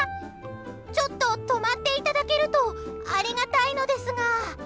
ちょっと止まっていただけるとありがたいのですが。